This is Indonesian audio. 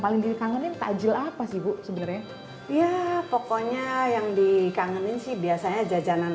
paling dikangenin tajil apa sih bu sebenarnya ya pokoknya yang dikangenin sih biasanya jajanan